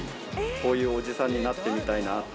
こういうおじさんになってみたいなって。